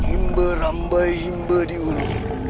imbe rambai imbe di ulu